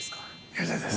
ゆでです。